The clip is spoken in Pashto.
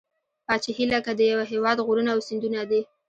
پاچهي لکه د یوه هیواد غرونه او سیندونه ده.